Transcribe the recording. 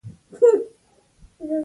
کروندګر د حاصل د ښه والي په اړه خبرې کوي